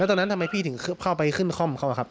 ตอนนั้นทำไมพี่ถึงเข้าไปขึ้นคล่อมเขาอะครับ